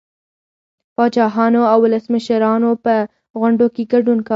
پاچاهانو او ولسمشرانو په غونډو کې ګډون کاوه